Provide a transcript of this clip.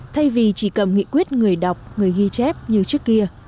thay vì chỉ cầm nghị quyết người đọc người ghi chép như trước kia